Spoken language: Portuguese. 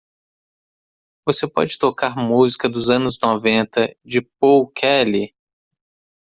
Você pode tocar música dos anos noventa de Paul Kelly?